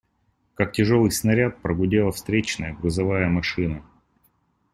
Как тяжелый снаряд, прогудела встречная грузовая машина.